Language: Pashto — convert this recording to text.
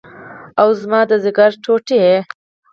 اوه زما د ځيګر ټوټې.